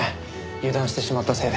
油断してしまったせいで。